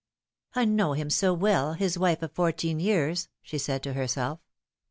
" I know him so well, his wife of fourteen years," she said to herself.